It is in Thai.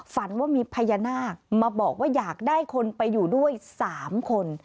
ฝันว่ามีพญานาคมาบอกว่าอยากได้คนไปอยู่ด้วย๓คน